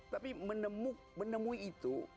tapi menemui itu